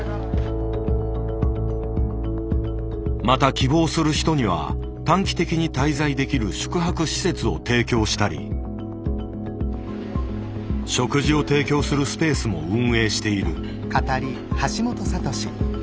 また希望する人には短期的に滞在できる宿泊施設を提供したり食事を提供するスペースも運営している。